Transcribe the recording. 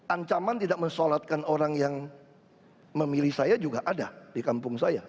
ancaman tidak mensolatkan orang yang memilih saya juga ada di kampung saya